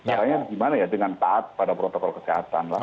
caranya gimana ya dengan taat pada protokol kesehatan lah